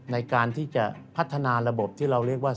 ในการที่จะพัฒนาระบบที่เราเรียกว่า